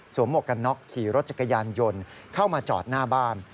หมวกกันน็อกขี่รถจักรยานยนต์เข้ามาจอดหน้าบ้าน